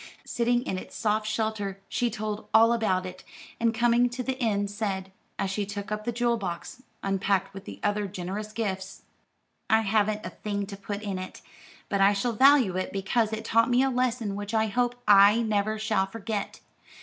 Sitting in its soft shelter, she told all about it, and coming to the end said, as she took up the jewel box, unpacked with the other generous gifts: "I haven't a thing to put in it, but I shall value it because it taught me a lesson which I hope I never shall forget.